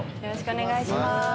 よろしくお願いします。